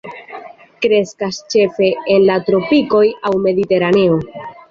Kreskas ĉefe en la tropikoj aŭ mediteraneo.